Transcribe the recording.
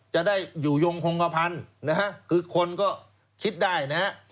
จะได้อยู่ยงคงความพันธุ์นะครับคือคนก็คิดได้นะครับ